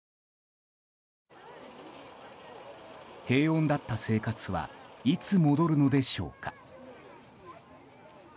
平穏だった生活はいつ戻るのでしょうか。